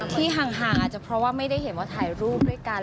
ที่ห่างอาจจะเพราะว่าไม่ได้เห็นว่าถ่ายรูปด้วยกัน